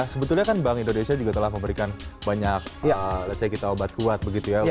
sebetulnya kan bank indonesia juga telah memberikan banyak obat kuat begitu ya